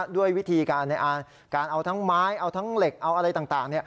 ด้วยวิธีการในการเอาทั้งไม้เอาทั้งเหล็กเอาอะไรต่าง